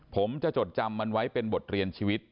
ผมจะจดจำมันไว้เป็นบทเรียนชีวิต